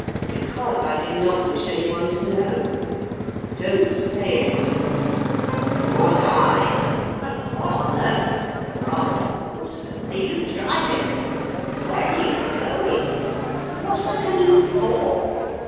"Because I did not wish anyone to know. Don't say anything." "Not I. But what on earth, or rather, on water, are you driving at? Where are you going? What's the canoe for?"